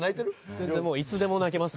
全然もういつでも泣けます。